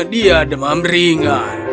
dia demam ringan